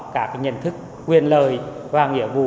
cả cái nhận thức quyền lời và nghĩa vụ